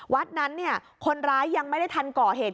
วัดนั้นคนร้ายยังไม่ได้ทันก่อเหตุ